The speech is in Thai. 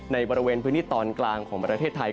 ในบริเวณพื้นที่ตอนกลางของประเทศไทย